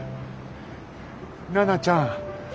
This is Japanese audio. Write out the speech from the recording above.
奈々ちゃん。